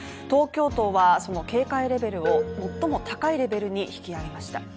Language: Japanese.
東京都はその警戒レベルを最も高いレベルに引き上げました。